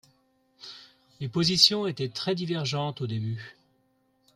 Les positions étaient très divergentes au début.